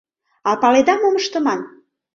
А паледа, мом ыштыман?